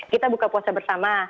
kita buka puasa bersama